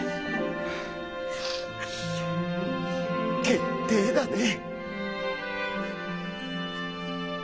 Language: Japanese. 決定だね。